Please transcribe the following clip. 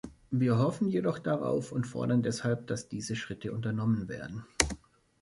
Wir hoffen jedoch darauf und fordern deshalb, dass diese Schritte unternommen werden.